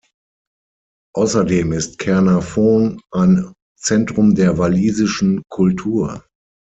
Außerdem ist Caernarfon ein Zentrum der walisischen Kultur.